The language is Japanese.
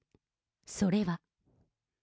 それは。